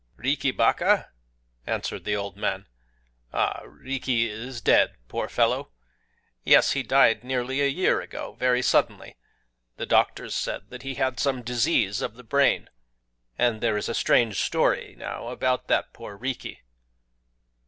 "Riki Baka?" answered the old man. "Ah, Riki is dead—poor fellow!... Yes, he died nearly a year ago, very suddenly; the doctors said that he had some disease of the brain. And there is a strange story now about that poor Riki.